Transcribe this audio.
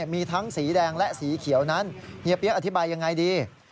มีทั้งสีแดงและสีเขียวนั้นเฮียเปี๊ยกอธิบายยังไงดี